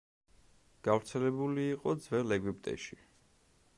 გავრცელებული იყო ძველ ეგვიპტეში.